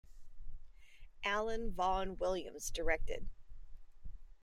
Alan Vaughan Williams directed.